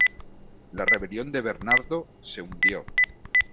La rebelión de Bernardo se hundió.